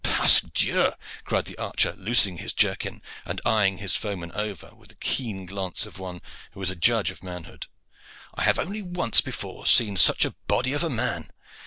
"Pasques Dieu!" cried the archer, loosening his jerkin, and eyeing his foeman over with the keen glance of one who is a judge of manhood. "I have only once before seen such a body of a man.